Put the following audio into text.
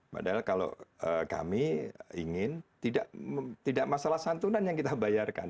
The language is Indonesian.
padahal kalau kami ingin tidak masalah santunan yang kita bayarkan